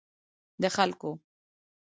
د خلګو